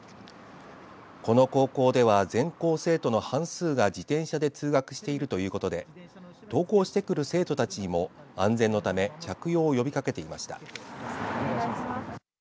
この高校では全校生徒の半数が自転車で通学しているということで登校してくる生徒たちにも安全のため着用を呼びかけていました。